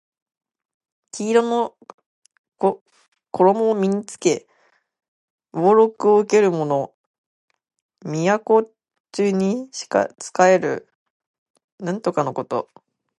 黄色の衣を身に着け俸禄を受けるもの。宮中に仕える宦官のこと。